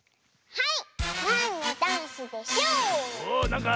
はい！